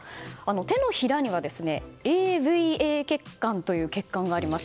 手のひらにはＡＶＡ血管という血管があります。